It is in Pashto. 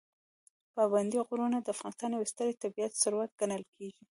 پابندي غرونه د افغانستان یو ستر طبعي ثروت ګڼل کېږي.